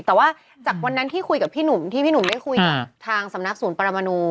แต่ว่าจากวันนั้นที่คุยกับพี่หนุ่มที่พี่หนุ่มได้คุยกับทางสำนักศูนย์ปรมนู